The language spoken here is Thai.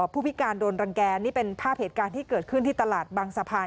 ผู้พิการโดนรังแกนี่เป็นภาพเหตุการณ์ที่เกิดขึ้นที่ตลาดบางสะพาน